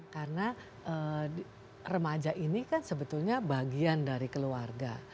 karena remaja ini kan sebetulnya bagian dari keluarga